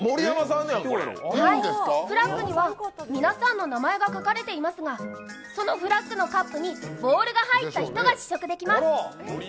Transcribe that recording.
フラッグには皆さんの名前が書かれていますが、そのフラッグのカップにボールが入った人が試食できます。